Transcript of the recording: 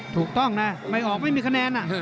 ถูกต้องนะไม่ออกไม่มีคะแนน